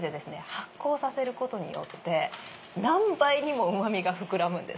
発酵させることによって何倍にもうまみが膨らむんです。